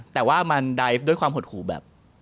แต่ว่ามันไดฟ์ด้วยความหดหูแบบ